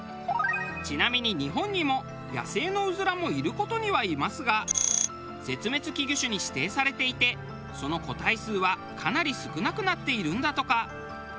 ちなみに日本にも野生のうずらもいる事にはいますが絶滅危惧種に指定されていてその個体数はかなり少なくなっているんだとか。